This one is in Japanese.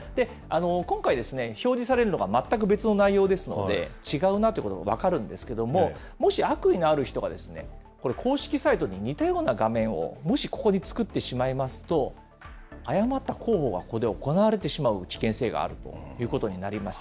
今回ですね、表示されるのが全く別の内容ですので、違うなということが分かるんですけれども、もし悪意のある人がこれ、公式サイトに似たような画面をもしここに作ってしまいますと、誤った広報がここで行われてしまう危険性があるということになります。